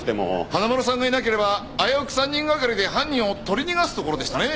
花村さんがいなければ危うく３人がかりで犯人を取り逃がすところでしたね。